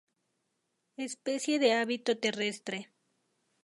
Especie de hábito terrestre.